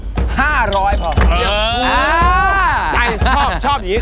ใช่ชอบชอบอย่างนี้ชอบอย่างนี้